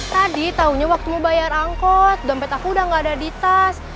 tadi taunya waktu mau bayar angkot dompet aku udah gak ada di tas